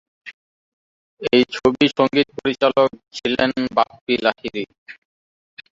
এই ছবি সঙ্গীত পরিচালক ছিলেন বাপ্পী লাহিড়ী।